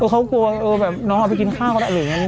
อ้อเขากลัวเออแบบน้องเอาไปกินข้าวเขาอัดแล้วอย่างเนี้ย